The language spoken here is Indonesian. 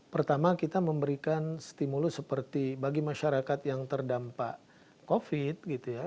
pertama kita memberikan stimulus seperti bagi masyarakat yang terdampak covid gitu ya